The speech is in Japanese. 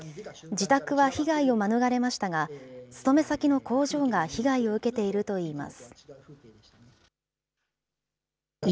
自宅は被害を免れましたが、勤め先の工場が被害を受けているといいます。